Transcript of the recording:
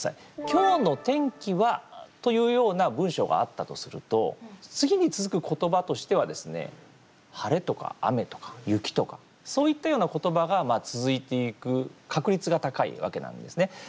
「今日の天気は」というような文章があったとすると次に続く言葉としてはですね「晴れ」とか「雨」とか「雪」とか、そういったような言葉が続いていく確率が高いわけなんですね。